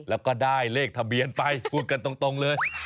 แล้วก็ได้เลขทะเบียนไปพูดกันตรงเลย